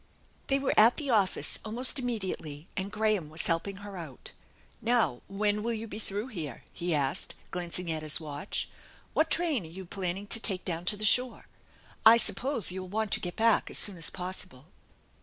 They were at the office almost immediately and Graham was helping her out. " Now, when will you be through here ?" he asked, glancing at his watch. " What train were you planning to take down to the shore ?" I suppose you'll want to get back as soon as possible?"